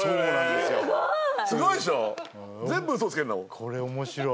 これ面白い。